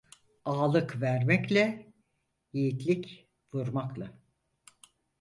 Ağalık vermekle, yiğitlik vurmakla.